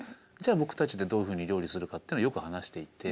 僕たちでどういうふうに料理するかってのはよく話していて。